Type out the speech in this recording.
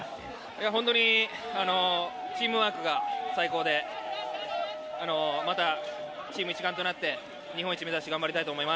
本当に、チームワークが最高で、また、チーム一丸となって、日本一目指して頑張りたいと思い